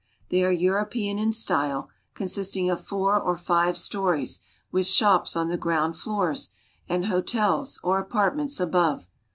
They are European in style, con sisting of four or five stories, with shops on the ground floors, and hotels, or apartments, above.